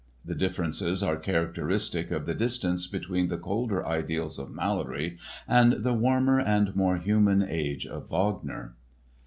The differences are characteristic of the distance between the colder ideals of Malory and the warmer and more human age of Wagner.